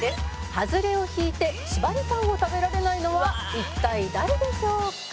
「ハズレを引いて縛りタンを食べられないのは一体誰でしょうか？」